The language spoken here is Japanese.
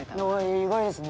意外ですね。